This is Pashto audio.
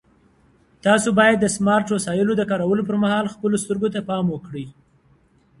تاسو باید د سمارټ وسایلو د کارولو پر مهال خپلو سترګو ته پام وکړئ.